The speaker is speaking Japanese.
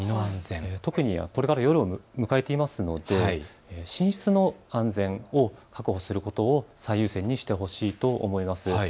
特に、これから夜を迎えますので寝室の安全を確保することを最優先にしてほしいと思います。